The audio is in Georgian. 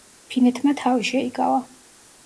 ფინეთმა თავი შეიკავა.